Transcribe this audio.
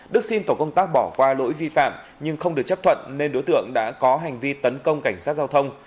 đức xin tổ công tác bỏ qua lỗi vi phạm nhưng không được chấp thuận nên đối tượng đã có hành vi tấn công cảnh sát giao thông